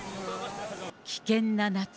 危険な夏。